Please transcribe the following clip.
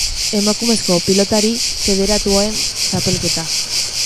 Emakumezko pilotari federatuen txapelketa.